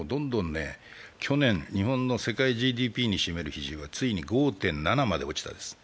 ええ、去年、日本の世界ＧＤＰに占める割合はついに５．７まで落ちました。